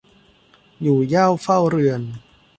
อยู่เหย้าเฝ้าเรือน